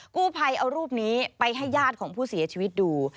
กู้ภัยเอารูปนี้ไปให้ญาติของผู้เสียชีวิตดู